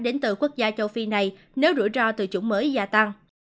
đến từ quốc gia châu phi này nếu rủi ro từ chủng mới gia tăng